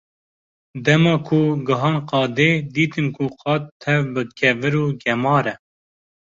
Dema ku gihan qadê, dîtin ku qad tev bi kevir û gemar e.